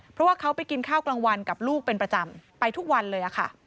เพราะว่าเขาไปกินข้าวกลางวันกับลูกเป็นประจำไปทุกวันเลยค่ะ